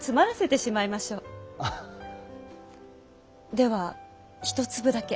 では一粒だけ。